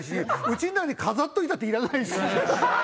家の中に飾っといたっていらないし。